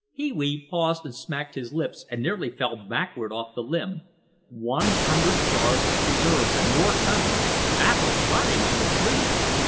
Pee wee paused and smacked his lips and nearly fell backward off the limb. One hundred jars of preserves and more coming! Apples rotting on the trees!